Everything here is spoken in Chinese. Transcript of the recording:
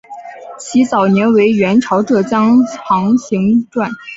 其早年为元朝浙江行省掾。